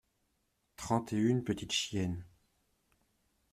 Trente et une petites chiennes.